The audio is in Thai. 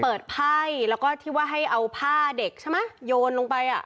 ไพ่แล้วก็ที่ว่าให้เอาผ้าเด็กใช่ไหมโยนลงไปอ่ะ